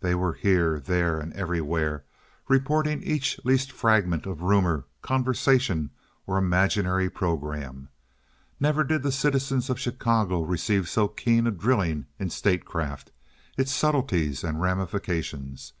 They were here, there, and everywhere reporting each least fragment of rumor, conversation, or imaginary programme. Never did the citizens of Chicago receive so keen a drilling in statecraft—its subtleties and ramifications.